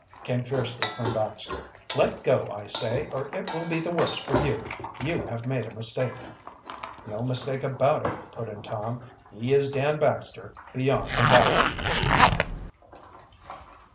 came fiercely from Baxter. "Let go, I say, or it will be the worse for you. You have made a mistake." "No mistake about it," put in Tom. "He is Dan Baxter beyond a doubt."